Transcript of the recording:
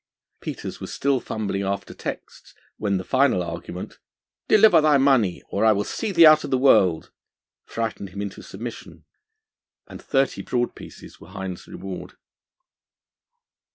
Peters was still fumbling after texts when the final argument: 'Deliver thy money, or I will send thee out of the world!' frightened him into submission, and thirty broad pieces were Hind's reward.